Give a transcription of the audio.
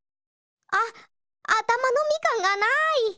あっあたまのみかんがない！